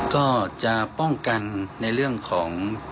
ก็จะป้องกันในเรื่องของ